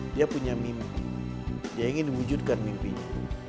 dia punya mimpi dia ingin mewujudkan mimpinya